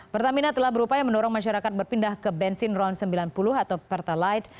pertamina telah berupaya mendorong masyarakat berpindah ke bensin ron sembilan puluh atau pertalite